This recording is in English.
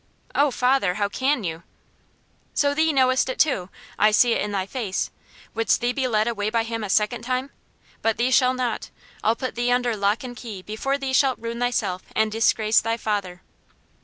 "Oh, father how can you?" "So thee knowest it too I see it in thy face Wouldst thee be led away by him a second time! But thee shall not. I'll put thee under lock and key before thee shalt ruin thyself and disgrace thy father."